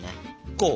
こう？